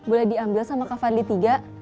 boleh diambil sama kak fadli tiga